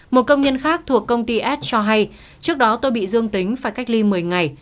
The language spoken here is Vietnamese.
một công nhân khác thuộc công ty s cho hay trước đó tôi bị dương tính phải cách ly một mươi ngày